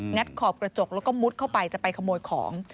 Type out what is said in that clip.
ขอบกระจกแล้วก็มุดเข้าไปจะไปขโมยของ